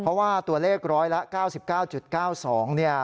เพราะว่าตัวเลขร้อยละ๙๙๙๒เนี่ย